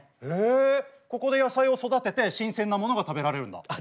へえここで野菜を育てて新鮮なものが食べられるんだ。